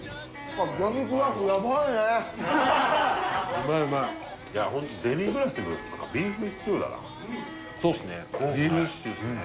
うまいうまいいやホントデミグラス何かビーフシチューだなそうっすねビーフシチューっすね